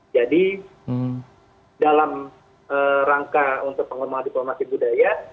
jadi dalam rangka untuk pengembangan diplomasi budaya